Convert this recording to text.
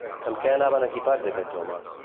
Amb què anaven equipats, aquests homes?